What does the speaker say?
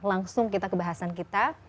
langsung kita kebahasan kita